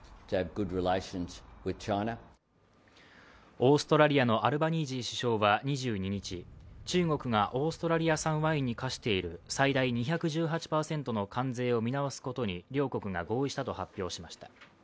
オーストラリアのアルバニージー首相は２２日中国がオーストラリア産ワインに課している最大２１８％の関税を見直すことに両国が合意したと発表しました。